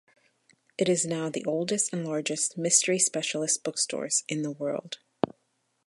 It is now the oldest and largest mystery specialist bookstores in the world.